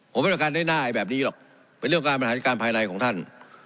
ผมไม่เป็นการได้น่ายแบบนี้หรอกเป็นเรื่องการปัญหาการภายในของท่าน